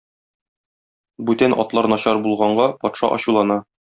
Бүтән атлар начар булганга, патша ачулана.